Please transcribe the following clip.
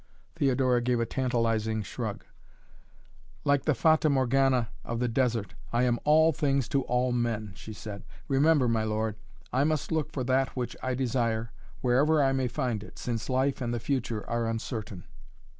Theodora gave a tantalizing shrug. "Like the Fata Morgana of the desert, I am all things to all men," she said. "Remember, my lord, I must look for that which I desire wherever I may find it, since life and the future are uncertain."